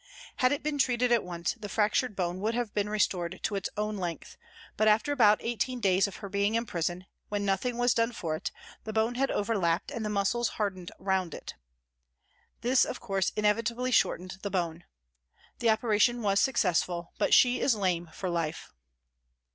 Had it been treated at once, the fractured bone would have been restored to its own length, but after about eighteen days of her being in prison, when nothing was done for it, the bone had overlapped and the muscles hardened round it. This, of course, inevitably shortened the bone. The operation was successful, but she is lame for life.